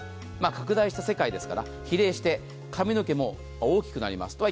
拡大した世界ですから、比例して髪の毛も大きくなります。